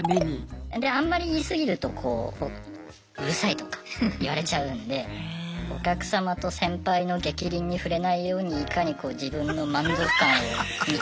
であんまり言い過ぎるとうるさいとか言われちゃうんでお客様と先輩のげきりんに触れないようにいかにこう自分の満足感を満たすか。